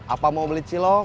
apa mau beli cilok